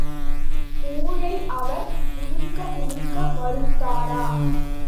ஊழை அவர் முழுக்க முழுக்க மறுத்தாரா?